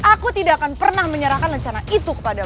aku tidak akan pernah menyerahkan rencana itu kepadamu